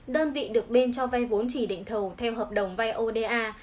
đơn vị được bên cho vai vốn chỉ định thầu theo hợp đồng vai oda